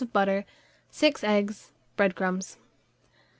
of butter, 6 eggs, bread crumbs.